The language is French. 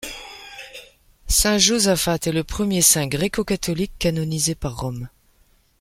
Saint Josaphat est le premier saint gréco-catholique canonisé par Rome.